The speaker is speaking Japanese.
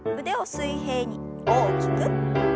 腕を水平に大きく。